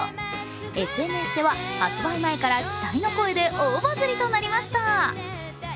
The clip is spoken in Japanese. ＳＮＳでは発売前から期待の声で大バズリとなりました。